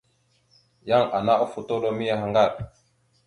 Yan ana ofotoloro miyaŋgar.